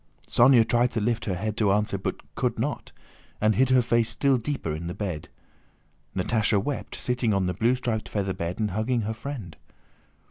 Sónya tried to lift her head to answer but could not, and hid her face still deeper in the bed. Natásha wept, sitting on the blue striped feather bed and hugging her friend.